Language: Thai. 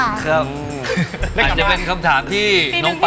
อาจจะเป็นคำถามที่น้องปั